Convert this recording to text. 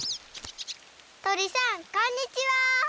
とりさんこんにちは！